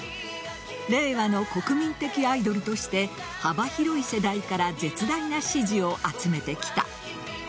令和の国民的アイドルとして幅広い世代から絶大な支持を集めてきた。